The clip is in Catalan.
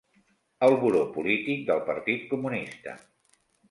El buró polític del partit comunista.